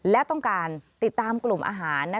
และต้องการติดตามกลุ่มอาหาร